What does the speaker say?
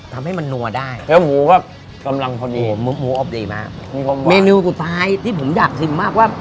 ทำให้มันนัวได้แล้วหมูก็กำลังพอดีผมหมูออกดีมากเมนูสุดท้ายที่ผมอยากชิมมากว่า